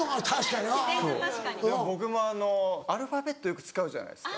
僕もアルファベットよく使うじゃないですか。